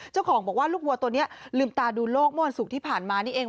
เจ้าของบอกว่าลูกวัวตัวนี้ลืมตาดูโลกเมื่อวันศุกร์ที่ผ่านมานี่เอง